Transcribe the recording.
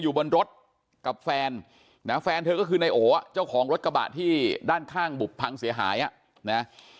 อยู่บนรถกับแฟนนะแฟนเธอก็คือนายโอเจ้าของรถกระบะที่ด้านข้างบุบพังเสียหายอ่ะนะ